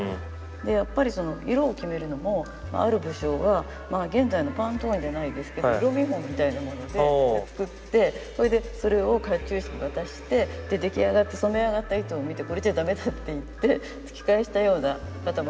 でやっぱり色を決めるのもある武将が現在のパントーンじゃないですけど色見本みたいなもので作ってそれでそれを甲冑師に渡してで出来上がった染め上がった糸を見てこれじゃダメだっていって突き返したような方もいらしたそうです。